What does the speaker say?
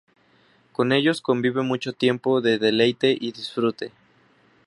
Con ellos convive mucho tiempo de deleite y disfrute.